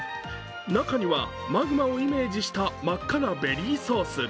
中には、マグマをイメージした真っ赤なベリーソース。